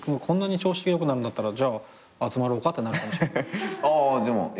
こんなに調子よくなるんだったらじゃあ集まろうかってなるかも。